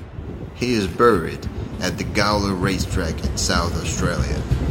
He is buried at the Gawler Racetrack in South Australia.